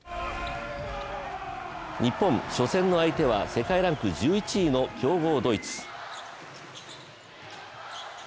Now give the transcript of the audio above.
日本初戦の相手は世界ランク１１位の強豪ドイツ。